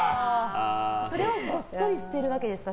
それはごっそり捨てるわけですか？